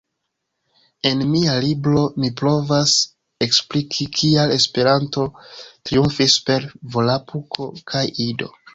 En mia libro mi provas ekspliki kial Esperanto triumfis super Volapuko kaj Ido.